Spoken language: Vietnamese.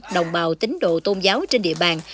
đồng bào tín đổ tôn giáo trên địa bàn